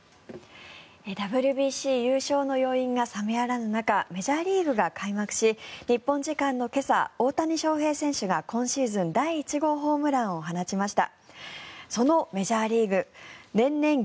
ＷＢＣ優勝の余韻が冷めやらぬ中メジャーリーグが開幕し日本時間の今朝大谷翔平選手が今シーズン第１号ホームランを放ちました。